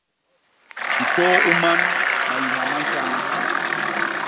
Ntôô u man, mayiha ma nsañ.